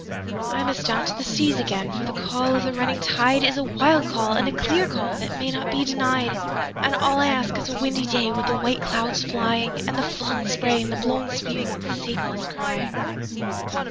I must down to the seas again, for the call of the running tideIs a wild call and a clear call that may not be denied; And all I ask is a windy day with the white clouds flying, And the flung spray and the blown spume, and the sea gulls crying.